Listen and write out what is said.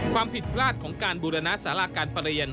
ความผิดพลาดของการบูรณาสาราการประเรียน